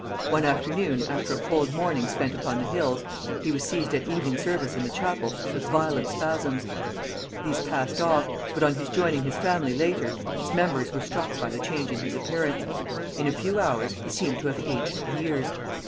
One afternoon, after a cold morning spent upon the hills, he was seized at evening service in the chapel with violent spasms. These passed off, but on his joining his family later, its members were struck by the change in his appearance. In a few hours he seemed to have aged years.